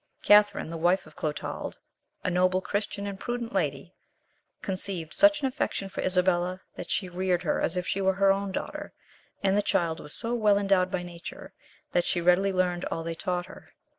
Catherine, the wife of Clotald, a noble, Christian, and prudent lady, conceived such an affection for Isabella, that she reared her as if she was her own daughter; and the child was so well endowed by nature, that she readily learned all they taught her.